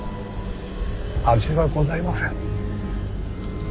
味はございません。